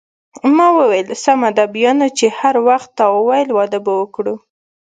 ما وویل: سمه ده، بیا نو چې هر وخت تا وویل واده به وکړو.